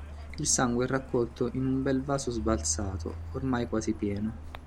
Il sangue è raccolto in un bel vaso sbalzato, ormai quasi pieno.